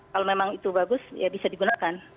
kalau memang itu bagus ya bisa digunakan